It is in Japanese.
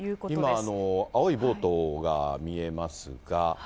今、青いボートが見えますが。